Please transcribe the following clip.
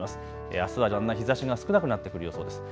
あすはだんだん日ざしが少なくなってくる予想です。